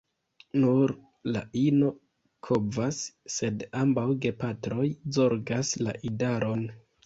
Nur la ino kovas, sed ambaŭ gepatroj zorgas la idaron.